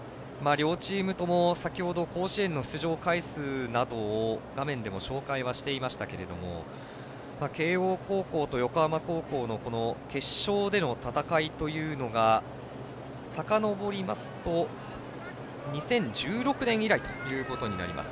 両チームとも先ほど甲子園の出場回数などを画面でも紹介はしていましたが慶応高校と横浜高校のこの決勝での戦いというのがさかのぼりますと２０１６年以来ということになります。